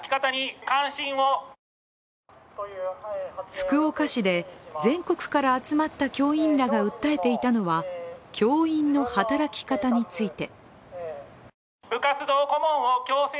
福岡市で全国から集まった教員らが訴えていたのは教員の働き方について。